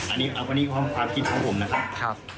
อันนี้ความคิดของผมนะครับ